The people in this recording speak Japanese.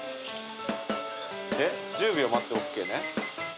で１０秒待ってＯＫね